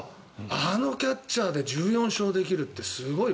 あのキャッチャーで１４勝できるってすごい。